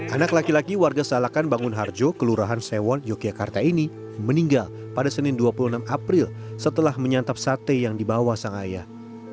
anak laki laki warga salakan bangun harjo kelurahan sewon yogyakarta ini meninggal pada senin dua puluh enam april setelah menyantap sate yang dibawa sang ayah